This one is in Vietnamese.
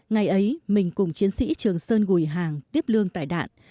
ngày ấy mình cùng chiến sĩ trường sơn gùi hàng tiếp lương tại đạn